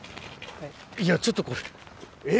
いやちょっとこれえっ。